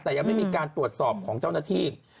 แต่ยังไม่มีการตรวจสอบของเจ้าหน้าที่